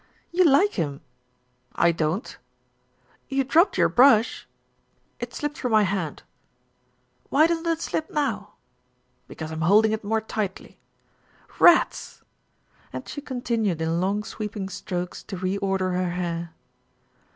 "You like him." "I don't." "You dropped your brush." "It slipped from my hand." "Why doesn't it slip now?" "Because I'm holding it more tightly." "Rats!" And she continued in long sweeping strokes to re order her hair.